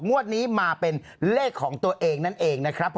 งวดนี้มาเป็นเลขของตัวเองนั่นเองนะครับ